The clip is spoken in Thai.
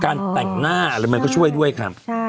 แต่งหน้าอะไรมันก็ช่วยด้วยครับ